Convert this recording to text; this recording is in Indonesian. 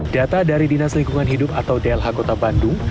data dari dinas lingkungan hidup atau dlh kota bandung